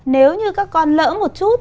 nếu như các con lỡ một chút